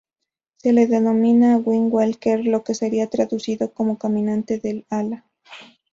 Se le denomina "wing walker" lo que sería traducido como "caminante del ala".